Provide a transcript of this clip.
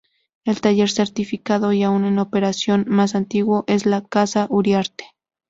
El taller certificado y aún en operación más antiguo es la "casa Uriarte".